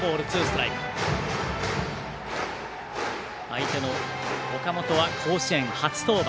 相手の岡本は甲子園初登板。